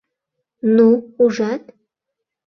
— Ну, ужат?